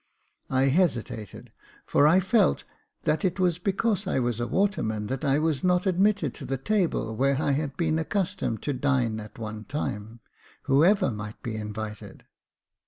" I hesitated, for I felt that it was because I was a water man that I was not admitted to the table where I had been accustomed to dine at one time, whoever might be invited.